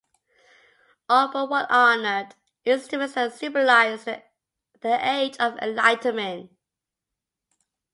All but one honoured instruments that symbolised the Age of Enlightenment.